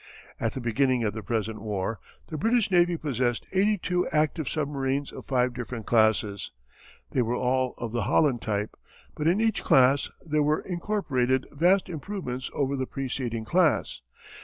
At the beginning of the present war, the British navy possessed 82 active submarines of 5 different classes. They were all of the Holland type, but in each class there were incorporated vast improvements over the preceding class.